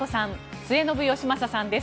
末延吉正さんです。